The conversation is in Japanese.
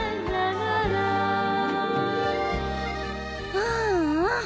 ああ！